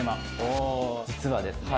実はですね